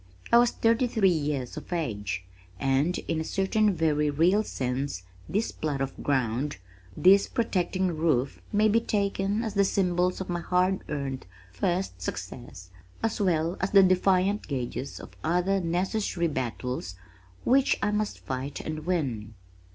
I was thirty three years of age, and in a certain very real sense this plot of ground, this protecting roof may be taken as the symbols of my hard earned first success as well as the defiant gages of other necessary battles which I must fight and win.